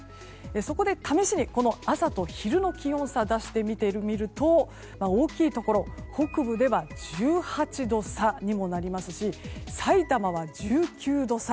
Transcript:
そこで、試しに朝と昼の気温差を出してみると大きいところ、北部では１８度差にもなりますしさいたまは１９度差。